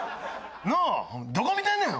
なあどこ見てんねん！